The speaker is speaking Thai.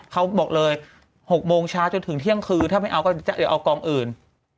เขาบอกเลย๖โมงเช้าจนถึงเที่ยงคืนถ้าไม่เอาก็จะเอากองอื่น